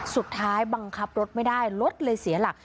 สุดท้ายบังคับรถไม่ได้รถเลยเสียหลัก